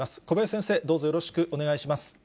小林先生、どうぞよろしくお願いします。